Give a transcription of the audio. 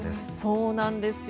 そうなんですよ。